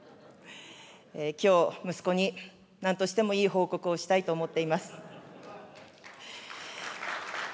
きょう、息子になんとしてもいい報告をしたいと思っております。